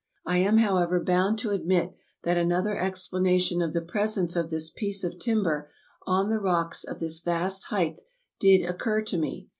I am, however, bound to admit that another explanation of the presence of this piece of tim ber on the rocks of this vast height did occur to me.